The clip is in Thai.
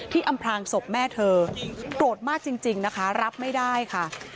อำพลางศพแม่เธอโกรธมากจริงนะคะรับไม่ได้ค่ะ